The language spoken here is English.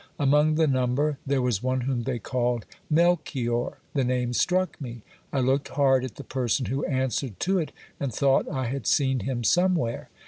Among the number there was one whom they called Mel chior. The name struck me. I looked hard at the person who answered to it, and thought I had seen him somewhere.